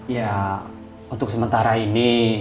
ya untuk sementara ini